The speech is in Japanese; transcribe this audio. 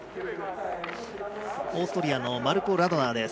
オーストリアのマルコ・ラドナー。